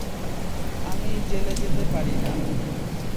আমি জেলে যেতে পারি না।